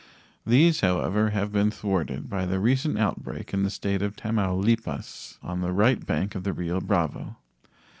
These, however, have been thwarted by the recent outbreak in the State of Tamaulipas, on the right bank of the Rio Bravo.